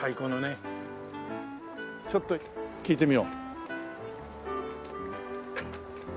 ちょっと聞いてみよう。